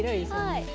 はい。